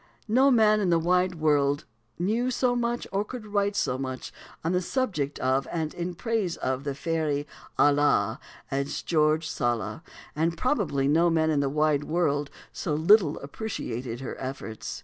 No man in the wide wide world knew so much, or could write so much, on the subject of and in praise of the fairy "Ala," as George Sala; and probably no man in the wide wide world so little appreciated her efforts.